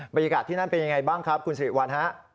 บรรยากาศที่นั่นเป็นยังไงบ้างครับคุณสิริวัลฮะ